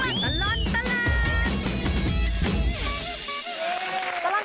ช่วงตลอดตลอด